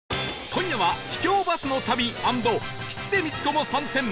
今夜は秘境バスの旅＆吉瀬美智子も参戦！